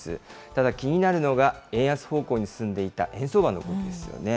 ただ、気になるのが円安方向に進んでいた円相場の動きですよね。